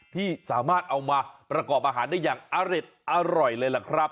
ที่สามารถเอามาประกอบอาหารได้อย่างอร่อยเลยล่ะครับ